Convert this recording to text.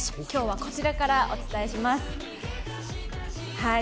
今日は、こちらからお伝えします。